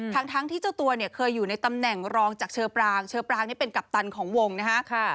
ทั้งที่เจ้าตัวเนี่ยเคยอยู่ในตำแหน่งรองจากเชอปรางเชอปรางนี่เป็นกัปตันของวงนะฮะ